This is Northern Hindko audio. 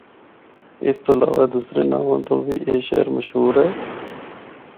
اس تو علاوہ دوسرے ناواں تو بھی اے شہر مشہور ہے۔